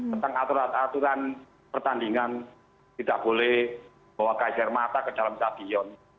tentang aturan aturan pertandingan tidak boleh bawa gas air mata ke dalam stadion